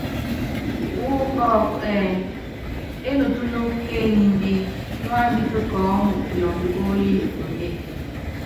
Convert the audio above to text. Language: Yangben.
Wú kɔ́ɔ́pú ɛ́ɛ́: Enutúnúkú ké enyimbí, nuámbitɛ kɔɔ́mu kilɔndɔ oolinonée.